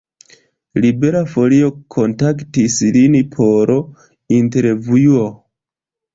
Libera Folio kontaktis lin por intervjuo.